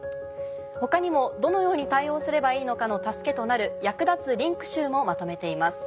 他にもどのように対応すればいいのかの助けとなる役立つリンク集もまとめています。